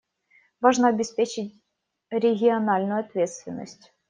Важно обеспечить региональную ответственность.